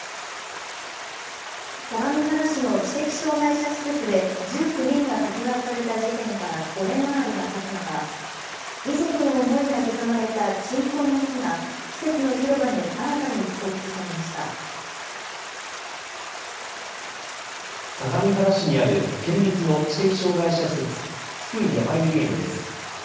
相模原市の知的障害者施設で１９人が殺害された事件から５年余りがたつ中、遺族の思いが刻まれた鎮魂の碑が、施設の広場に新たに設置されまし相模原市にある県立の知的障害者施設、津久井やまゆり園です。